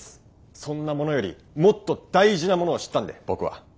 そんなものよりもっと大事なものを知ったんで僕は。